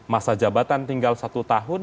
masa jabatan tinggal satu tahun